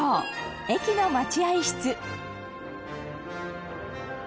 駅の待合室」